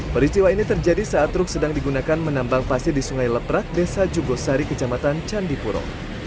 peristiwa ini terjadi saat truk sedang digunakan menambang pasir di sungai leprak desa jugosari kecamatan candipuro